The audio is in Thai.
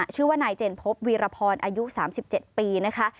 ชื่อว่านายเจนพบวีรพรอายุ๓๗ปีนะคะ